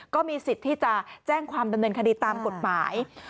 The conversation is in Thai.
ก็มีสิทธิ์ที่จะแจ้งความดำเนินคดีตามกฎหมาย